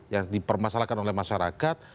yang dipermasalahkan oleh masyarakat